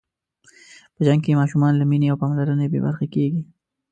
په جنګ کې ماشومان له مینې او پاملرنې بې برخې کېږي.